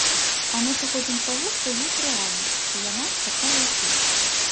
А мы сыходзім з таго, што ёсць рэальнасць, і яна такая, як ёсць.